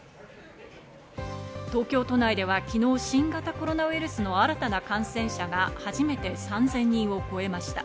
東京都内では昨日、新型コロナウイルスの新たな感染者が初めて３０００人を超えました。